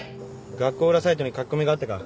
学校裏サイトに書き込みがあったか？